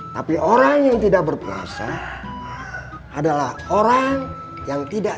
tapi orang yang tidak berpuasa adalah orang yang tidak